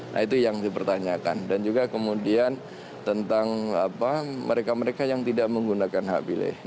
nah itu yang dipertanyakan dan juga kemudian tentang mereka mereka yang tidak menggunakan hak pilih